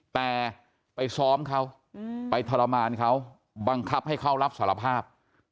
แต่ไปซ้อมเขาไปทรมานเขาบังคับให้เขารับสารภาพ